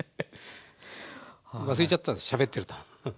忘れちゃったしゃべってると。